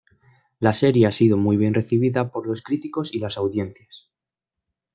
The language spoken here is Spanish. La serie ha sido muy bien recibida por los críticos y las audiencias.